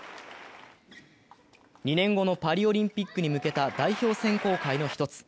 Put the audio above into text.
２年後のパリオリンピックに向けた代表選考会の一つ。